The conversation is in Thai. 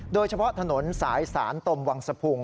โดยเฉพาะถนนสายสานตมวังสภูมิ